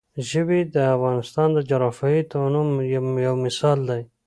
ژبې د افغانستان د جغرافیوي تنوع یو مثال دی.